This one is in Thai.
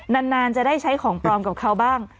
นานจะได้ใช้ของปลอมกับเขาบ้าง